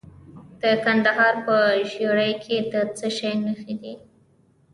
د کندهار په ژیړۍ کې د څه شي نښې دي؟